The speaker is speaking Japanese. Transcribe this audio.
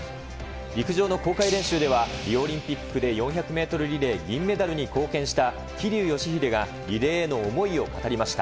陸上の公開練習では、リオオリンピックで４００メートルリレー銀メダルに貢献した桐生祥秀が、リレーへの思いを語りました。